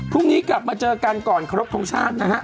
พรุ่งนี้กลับมาเจอกันก่อนครบทรงชาตินะฮะ